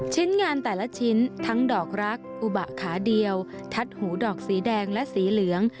ชิ้นงานแต่ละชิ้นทั้งดอกรักอุบะขาเดียวทัดหูดอกสีแดงและสีเหลือง